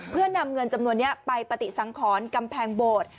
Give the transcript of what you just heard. เพื่อนำเงินจำนวนนี้ไปปฏิสังขรกำแพงโบสถ์